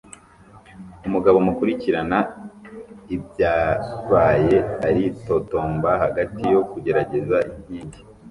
Umugabo mukurikirana ibyabaye aritotomba hagati yo kugerageza inkingi